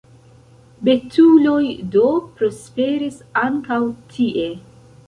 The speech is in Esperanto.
Betuloj do prosperis ankaŭ tie.